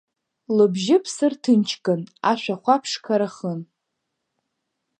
Лыбжьы ԥсырҭынчган, ашәахәа ԥшқарахын…